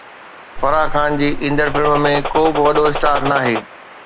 فرح خان جي ايندڙ فلم ۾ ڪو به وڏو اسٽار ناهي